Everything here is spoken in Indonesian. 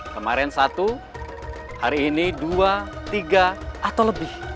kemarin satu hari ini dua tiga atau lebih